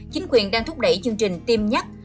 chính quyền đang thúc đẩy chương trình tiêm nhắc